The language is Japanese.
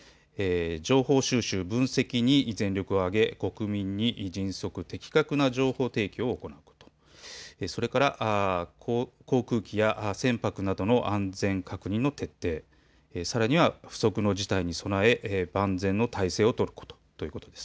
情報収集、分析に全力を挙げ国民に迅速・的確な情報提供を行うこと、それから航空機や船舶などの安全確認の徹底、さらには不測の事態に備え万全の態勢を取ることということです。